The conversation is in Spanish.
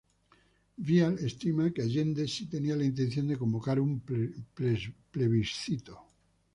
Vial estima que Allende sí tenía la intención de convocar un plebiscito.